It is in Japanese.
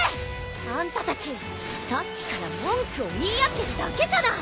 あんたたちさっきから文句を言い合ってるだけじゃない！